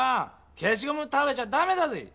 けしごむ食べちゃダメだぜぇ！